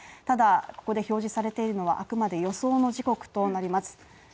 ただ、ここで表示されているのはあくまで予想の時刻となります。